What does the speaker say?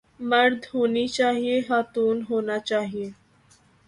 مرد ہونی چاہئے خاتون ہونا چاہئے